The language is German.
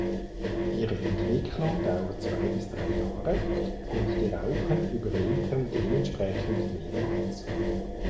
Ihre Entwicklung dauert zwei bis drei Jahre und die Raupen überwintern dementsprechend mehrmals.